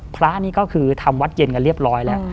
พระนี่ก็คือทำวัดเย็นกันเรียบร้อยแล้ว